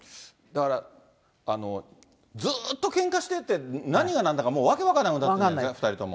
だから、ずっとけんかしてて、何がなんだかもう、訳分かんなくなってるんですね、２人とも。